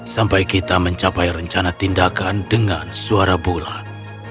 sampai kita mencapai rencana tindakan dengan suara bulat